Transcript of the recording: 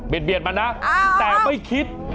เบียดเบียดมานะอ้าวแต่ไม่คิด